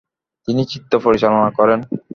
তিনি চিত্র পরিচালনা করেন।